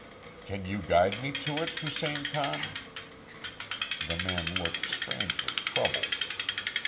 "Can you guide me to it, Hussein Khan?" The man looked strangely troubled.